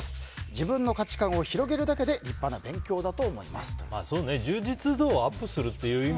自分の価値観を広げるだけで立派な勉強だと思いますと。